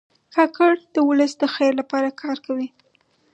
کاکړ د ولس د خیر لپاره کار کوي.